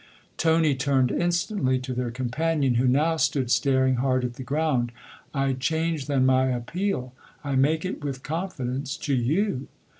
Tony turned instantly to their companion, who now stood staring hard at the ground. " I change, then, my appeal I make it, with confidence, to you.